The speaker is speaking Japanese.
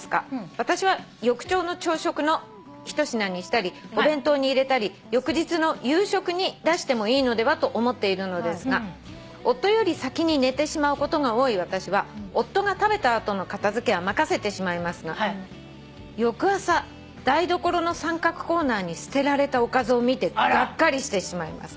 「私は翌朝の朝食の一品にしたりお弁当に入れたり翌日の夕食に出してもいいのではと思っているのですが夫より先に寝てしまうことが多い私は夫が食べた後の片付けは任せてしまいますが翌朝台所の三角コーナーに捨てられたおかずを見てがっかりしてしまいました」